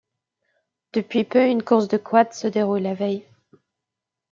Depuis peu, une course de quads se déroule la veille.